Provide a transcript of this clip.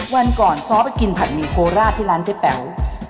วันก่อนซ้อไปกินผัดหมี่โคราชที่ร้านเจ๊แป๋ว